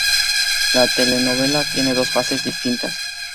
La telenovela tiene dos fases distintas.